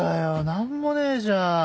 なんもねえじゃん！